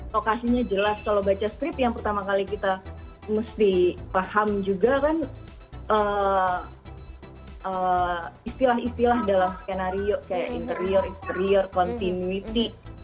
lokasinya jelas kalau baca skript yang pertama kali kita mesti paham juga kan istilah istilah dalam skenario kayak interior interior continuity